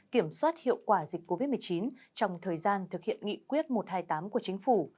kiểm soát hiệu quả dịch covid một mươi chín trong thời gian thực hiện nghị quyết một trăm hai mươi tám của chính phủ